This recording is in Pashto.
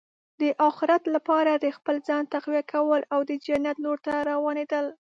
د اخرت لپاره د خپل ځان تقویه کول او د جنت لور ته روانېدل.